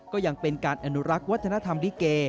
ก็ยังเป็นการอนุรักษ์วัฒนธรรมลิเก